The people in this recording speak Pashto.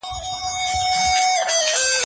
زه اجازه لرم چي د کتابتون کتابونه لوستل کړم!؟